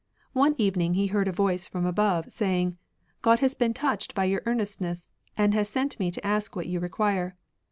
One evening he heard a voice from above, saying, God has been touched by your earnest ness, and has sent me to ask what you require."